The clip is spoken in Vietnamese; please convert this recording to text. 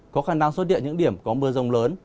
có khả năng xuất địa những điểm có mưa rông lớn